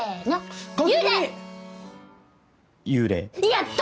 やった！